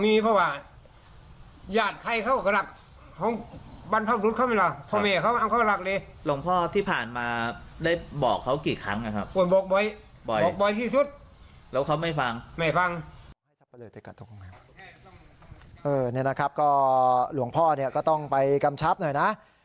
นี่นะครับก็หลวงพ่อเนี่ยก็ต้องไปกำชับหน่อยนะ